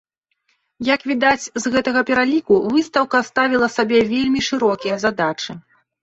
Як відаць з гэтага пераліку, выстаўка ставіла сабе вельмі шырокія задачы.